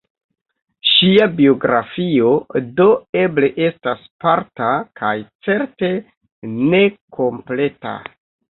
Ŝia biografio, do, eble estas parta kaj certe nekompleta.